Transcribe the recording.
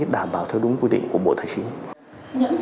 đảm bảo theo đúng quy định của bộ tài chính